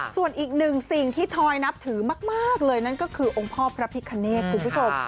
ส่วนอีกหนึ่งสิ่งที่ทอยนับถือมากเลยนั่นก็คือองค์พ่อพระพิคเนธคุณผู้ชม